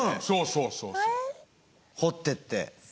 そうそうそうそう。